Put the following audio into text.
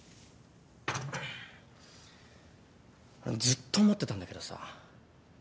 ずっと思ってたんだけどさ